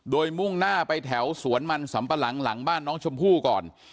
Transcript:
โดยมุ่งหน้าไปแถวสวนมันสำปะหลังหลังบ้านน้องชมพู่ก่อน